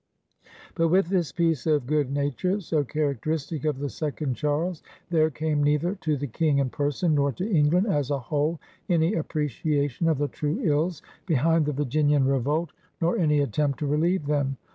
But with this piece of good nature, so charac teristic of the second Charles, there came neither to the King in person nor to England as a whole any appreciation of the true ills behind the Virginian BEBELUON AND CHANGE 189 revolt) nor any attempt to relieve them.